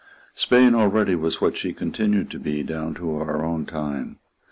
Spain already was what she continued to be down to our own time.